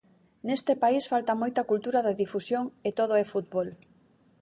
Neste país falta moita cultura da difusión e todo é fútbol.